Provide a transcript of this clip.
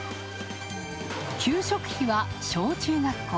給食費は小中学校。